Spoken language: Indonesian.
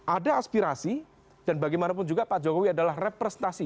ada aspirasi dan bagaimanapun juga pak jokowi adalah representasi